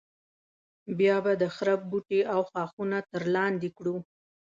بیا به د خرپ بوټي او ښاخونه تر لاندې کړو.